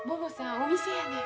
お店やねん。